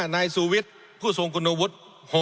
นายสูวิทย์ผู้ทรงคุณวุฒิ